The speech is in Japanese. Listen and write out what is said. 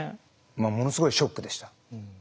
ものすごいショックでした。